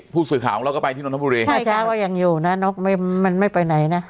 ผู้สวยข่าวของเราก็ไปที่นทบุรีใช่ช้าว่ายังอยู่น่ะนกมันไม่ไปไหนน่ะ